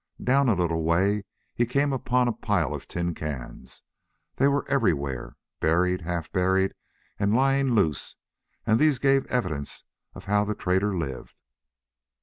Down a little way he came upon a pile of tin cans; they were everywhere, buried, half buried, and lying loose; and these gave evidence of how the trader lived.